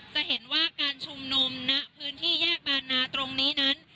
จะเห็นว่าการชุมนุมณพื้นที่แยกบานนาตรงนี้นั้น